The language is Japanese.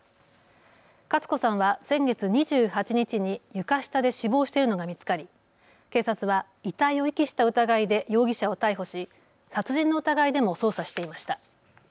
克子さんは先月２８日に床下で死亡しているのが見つかり警察は遺体を遺棄した疑いで容疑者を逮捕し殺人の疑いでも捜査していました。